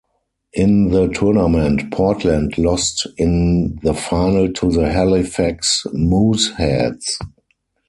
In the tournament Portland lost in the final to the Halifax Mooseheads.